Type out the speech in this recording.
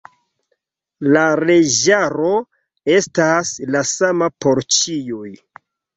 La leĝaro estas la sama por ĉiuj.